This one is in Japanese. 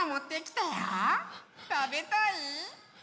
たべたい？